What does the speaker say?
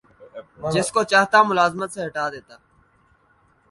جس کو چاہتا ملازمت سے ہٹا دیتا